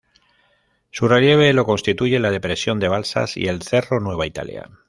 Su relieve lo constituye la Depresión del Balsas y el "Cerro Nueva Italia".